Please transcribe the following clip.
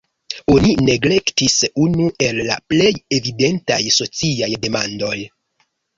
Oni neglektis unu el la plej evidentaj sociaj demandoj.